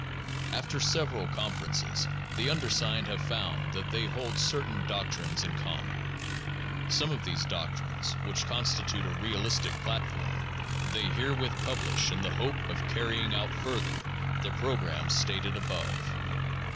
After several conferences the undersigned have found that they hold certain doctrines in common. Some of these doctrines, which constitute a realistic platform, they herewith publish in the hope of carrying out further the program stated above.